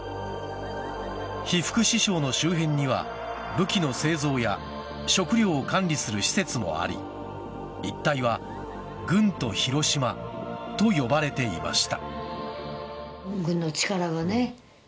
被服支廠の周辺には武器の製造や食料を管理する施設もあり一帯は軍都広島と呼ばれていました。